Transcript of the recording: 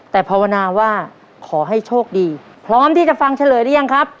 แต่ภาวนาว่าขอให้โชคดีพร้อมที่จะฟังเฉลยหรือยังครับ